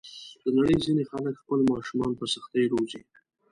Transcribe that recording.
د نړۍ ځینې خلک خپل ماشومان په سختۍ روزي.